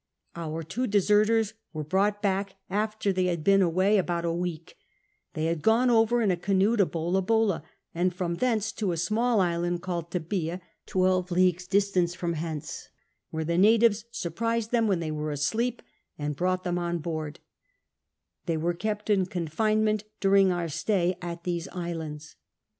Our two deserters were brought back after they had been away about a week : they had gone over in a canoe to Bola bola, and from thence to a small island called Tabia, twelve leagues distance from hence, where the natives surprised them when they were asleep, and brought them on board; they were kept in conJinement during our sUiy at these islands.